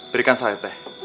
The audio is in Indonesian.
berikan saya teh